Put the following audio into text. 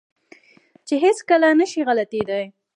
چې هېڅ کله نه شي غلطېداى.